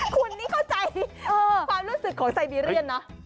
คุณนี่เข้าใจความรู้สึกของไซบีเรียนเนอะ